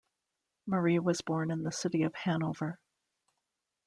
Marie was born in the city of Hanover.